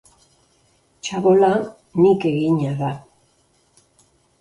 Txabola nik egina da.